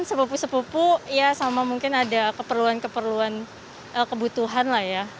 sepupu sepupu ya sama mungkin ada keperluan keperluan kebutuhan lah ya